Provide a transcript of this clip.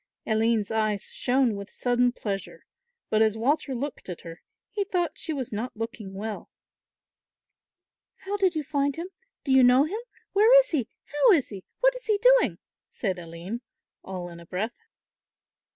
Aline's eyes shone with sudden pleasure; but as Walter looked at her he thought she was not looking well. "How did you find him? Do you know him? Where is he? How is he? What is he doing?" said Aline, all in a breath.